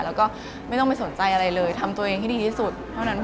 แล้วก็ไม่ต้องไปสนใจอะไรเลยทำตัวเองให้ดีที่สุดเท่านั้น